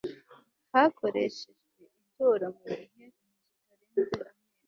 hakoreshejwe itora mu gihe kitarenze amezi